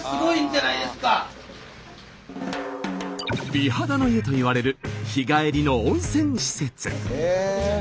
美肌の湯といわれる日帰りの温泉施設。